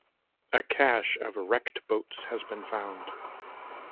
A cache of wrecked boats has been found.